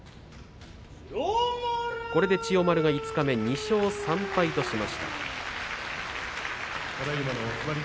これで千代丸２勝３敗としました。